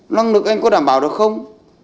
năng lực anh có đảm bảo được không